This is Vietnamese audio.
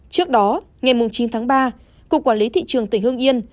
trước đó ngày chín tháng ba cục quản lý thị trường tỉnh hương yên